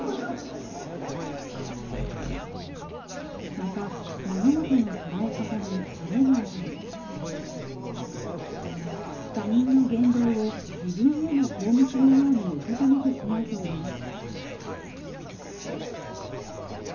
また、物事の捉え方にずれがあり、他人の言動を自分への攻撃のように受け止めてしまうといいます。